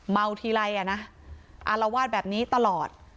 ทีไรอ่ะนะอารวาสแบบนี้ตลอด